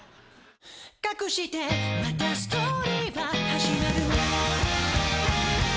「かくしてまたストーリーは始まる」